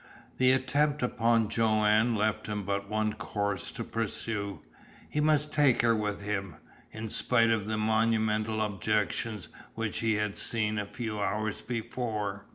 The attempt upon Joanne left him but one course to pursue: he must take her with him, in spite of the monumental objections which he had seen a few hours before.